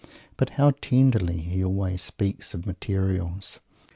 But how tenderly he always speaks of materials!